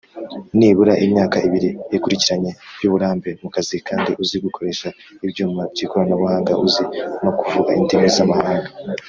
nibura imyaka ibiri ikurikiranye y’uburambe mu kazi kandi uzi gukoresha ibyuma by’ikoranabuhanga uzi no kuvuga indimi z’amahanga.